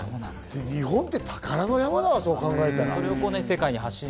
日本って宝の山だわ、そう考えたら。